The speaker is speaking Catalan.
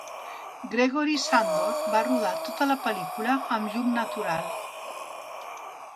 Gregory Sandor va rodar tota la pel·lícula amb llum natural.